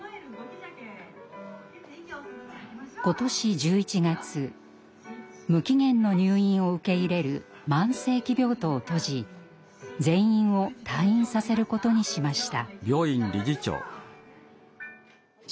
今年１１月無期限の入院を受け入れる慢性期病棟を閉じ全員を退院させることにしました。